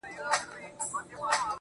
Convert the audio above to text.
o د زنده باد د مردباد په هديره كي پراته.